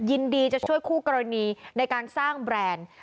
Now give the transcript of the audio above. ยินดีจะช่วยคู่กรณีในการสร้างแบรนด์